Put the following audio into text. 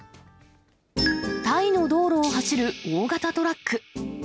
タイの道路を走る大型トラック。